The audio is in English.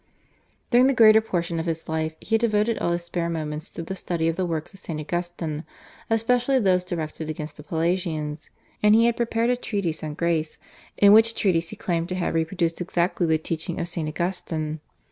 During the greater portion of his life he had devoted all his spare moments to the study of the works of St. Augustine, especially those directed against the Pelagians, and he had prepared a treatise on Grace, in which treatise he claimed to have reproduced exactly the teaching of St. Augustine.